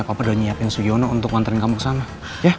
papa udah nyiapin suyono untuk ngontren kamu ke sana ya